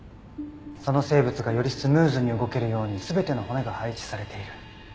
その生物がよりスムーズに動けるように全ての骨が配置されている。